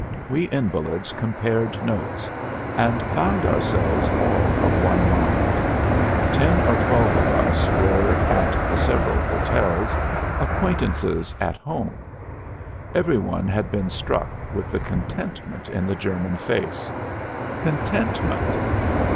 We invalids compared notes and found ourselves all of one mind. Ten or twelve of us were, at the several hotels, acquaintances at home; every one had been struck with the contentment in the German face. Contentment!